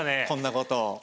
こんなことを。